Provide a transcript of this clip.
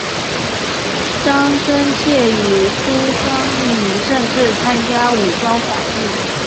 张深切与苏芗雨甚至参加武装反日。